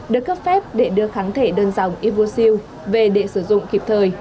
được cấp phép để đưa kháng thể đơn dòng ivosiu về để sử dụng kịp thời